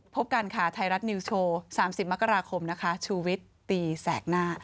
พบกันค่ะไทยรัฐนิวส์โชว์๓๐มกราคมนะคะชูวิทย์ตีแสกหน้า